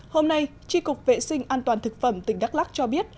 hôm nay tri cục vệ sinh an toàn thực phẩm tỉnh đắk lắc cho biết